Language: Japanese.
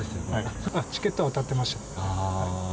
チケットは当たってました。